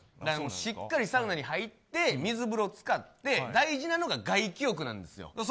しっかりサウナに入って水風呂浸かって大事なのが、外気浴なんですよ。